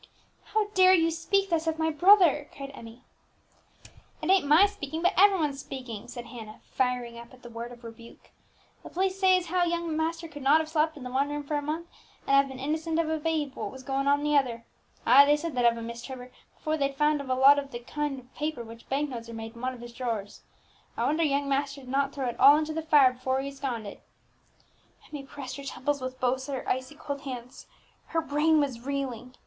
"How dare you speak thus of my brother?" cried Emmie. "It ain't my speaking, but every one's speaking," said Hannah, firing up at the word of rebuke. "The police say as how young master could not have slept in the one room for a month, and have been innocent as a babe of what was going on in the other. Ay, they said that of him, Miss Trevor, before they'd found a lot of the odd kind of paper of which bank notes are made in one of his drawers. I wonder young master did not throw it all into the fire before he absconded." Emmie pressed her temples with both her icy cold hands. Her brain was reeling.